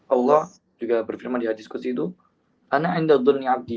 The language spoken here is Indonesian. allah juga berfirman di hadis ke situ